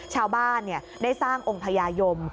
ชาวบ้านได้สร้างองค์พญายม